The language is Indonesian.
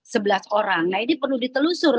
sebelas orang nah ini perlu ditelusur